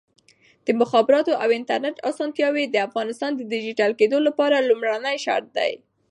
د مخابراتو او انټرنیټ اسانتیاوې د افغانستان د ډیجیټل کېدو لپاره لومړنی شرط دی.